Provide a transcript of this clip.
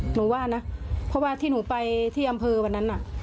หนูว่านะเพราะว่าที่หนูไปที่อำเภอวันนั้นน่ะ